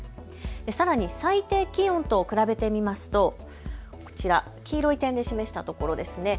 さらに最低気温と比べてみますとこちら、黄色い点で示したところです。